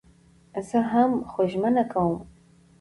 زه ځم خو ژمنه کوم